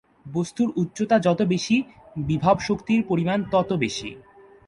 বস্তুর উচ্চতা যত বেশি, বিভব শক্তির পরিমাণ তত বেশি।